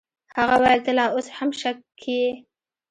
هغه وويل ته لا اوس هم شک کيې.